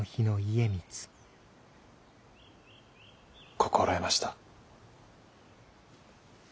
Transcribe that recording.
心得ました。